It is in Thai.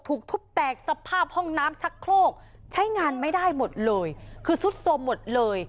ถูกทุบแตกสภาพห้องน้ำชักโครกใช้งานไม่ได้หมดเลยคือซุดสมหมดเลย